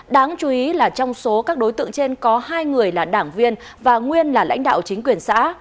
đáng chú ý là trong số các đối tượng trên có hai người là đảng viên và nguyên là lãnh đạo chính quyền xã